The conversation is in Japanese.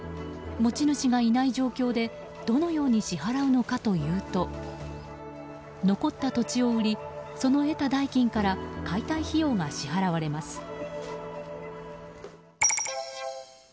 持ち主がいない状況でどのように支払うのかというと残った土地を売りその得た代金から解体費用が支払われます。